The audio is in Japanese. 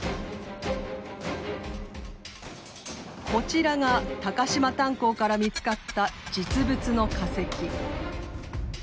こちらが高島炭鉱から見つかった実物の化石。